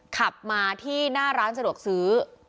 ขับมาที่หน้าร้านสะดวกซื้อ